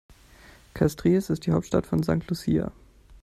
Castries ist die Hauptstadt von St. Lucia.